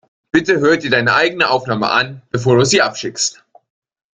Bitte hör dir deine eigene Aufnahme an, bevor du sie abschickst.